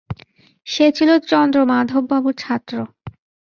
সে ছিল চন্দ্রমাধববাবুর ছাত্র।